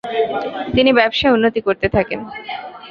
তিনি ব্যবসায় উন্নতি করতে থাকেন।